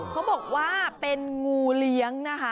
เขาบอกว่าเป็นงูเลี้ยงนะคะ